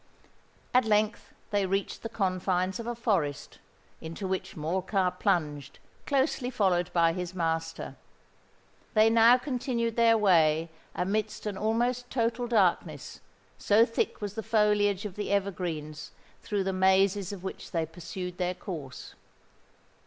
At length they reached the confines of a forest, into which Morcar plunged, closely followed by his master. They now continued their way amidst an almost total darkness, so thick was the foliage of the evergreens through the mazes of which they pursued their course.